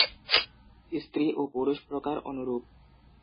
স্ত্রী ও পুরুষ প্রকার অনুরূপ।